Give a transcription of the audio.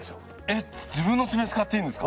えっ自分のツメ使っていいんですか？